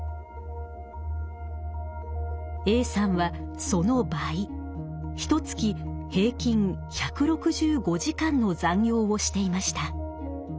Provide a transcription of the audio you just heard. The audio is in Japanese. Ａさんはその倍ひとつき平均１６５時間の残業をしていました。